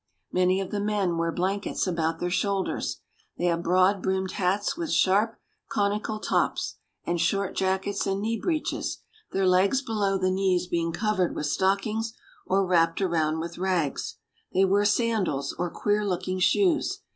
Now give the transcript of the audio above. Many of the men wear blankets about their shoulders ; they have broad brimmed hats with sharp conical tops, and short jackets and knee breeches, their legs below the knees being covered with stockings or wrapped around with rags ; they wear sandals or queer looking shoes.